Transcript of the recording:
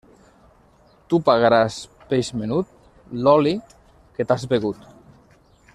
Tu pagaràs, peix menut, l'oli que t'has begut.